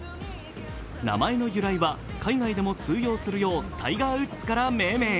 名前の由来は海外でも通用するようタイガー・ウッズから命名。